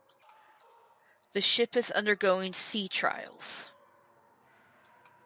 The ship is undergoing sea trials.